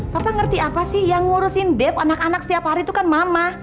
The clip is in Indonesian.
papa ngerti apa sih yang ngurusin deve anak anak setiap hari itu kan mama